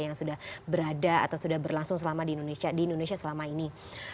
yang sudah berada atau sudah berlangsung selama di indonesia selama ini